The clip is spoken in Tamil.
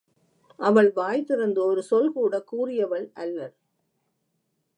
அவள் வாய் திறந்து ஒரு சொல்கூடக் கூறியவள் அல்லள்.